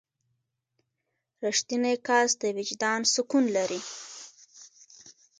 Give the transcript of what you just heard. • رښتینی کس د وجدان سکون لري.